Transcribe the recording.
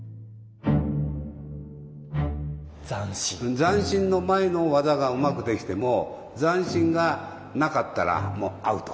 残心の前の技がうまくできても残心がなかったらもうアウト！